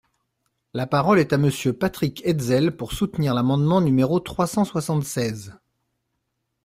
La parole est à Monsieur Patrick Hetzel, pour soutenir l’amendement numéro trois cent soixante-seize.